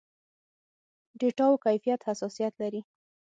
ډېټاوو کيفيت حساسيت لري.